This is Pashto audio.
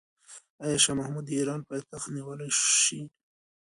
آیا شاه محمود د ایران پایتخت نیولی شي؟